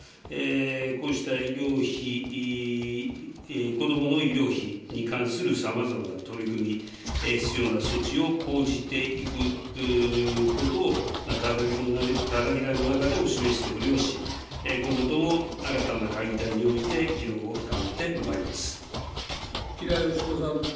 こうした医療費、子どもの医療費に関するさまざまな取り組み、必要な措置を講じていくことを、たたき台の中でもお示しておりますし、今後とも新たな会議体にお吉良よし子さん。